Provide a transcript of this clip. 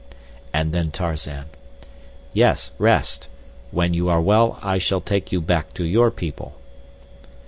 And then Tarzan: Yes, rest. When you are well I shall take you back to your people.